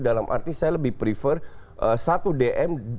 dalam arti saya lebih prefer satu dm